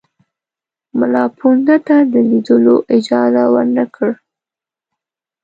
مُلاپوونده ته د لیدلو اجازه ورنه کړه.